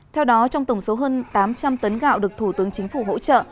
theo đó trong tổng số hơn tám trăm linh tấn gạo được thủ tướng chính phủ hỗ trợ